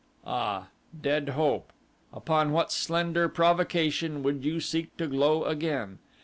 Ah, dead Hope; upon what slender provocation would you seek to glow again!